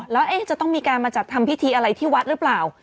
แล้วจะต้องมีการมาจัดทำพิธีอะไรที่วัดหรือเปล่า